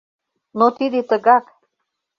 Но тиде тыгак...